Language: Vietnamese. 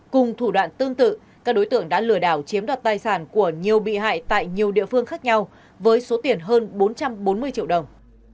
cùng thủ đoạn tương tự các đối tượng đã lừa đảo chiếm đoạt tài sản của nhiều bị hại tại nhiều địa phương khác nhau với số tiền hơn bốn trăm bốn mươi triệu đồng